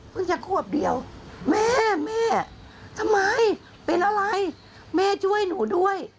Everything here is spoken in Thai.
จะขวบเดียวแม่แม่ทำไมเป็นอะไรแม่ช่วยหนูด้วย